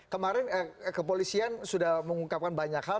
kemarin kepolisian sudah mengungkapkan banyak hal